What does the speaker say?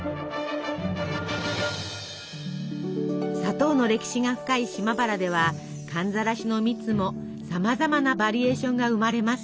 砂糖の歴史が深い島原では寒ざらしの蜜もさまざまなバリエーションが生まれます。